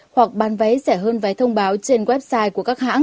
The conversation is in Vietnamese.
hoặc bán vé rẻ hơn vé trả